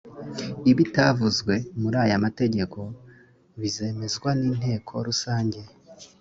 ibitavuzwe muri aya mategeko bizemezwa n’inteko rusange